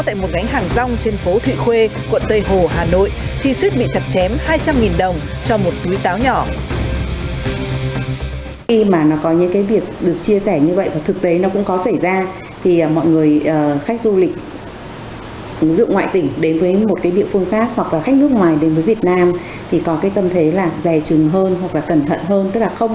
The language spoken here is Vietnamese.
tại một gánh hàng rong trên phố thụy khuê quận tây hồ hà nội